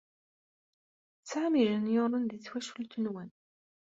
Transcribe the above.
Tesɛam ijenyuren di twacult-nwen?